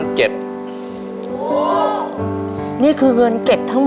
แค่ไหนบ้าน